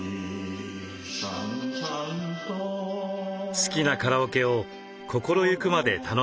好きなカラオケを心ゆくまで楽しんでいます。